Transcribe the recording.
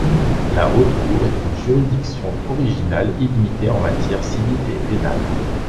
La Haute Cour a une juridiction originale illimitée en matière civile et pénale.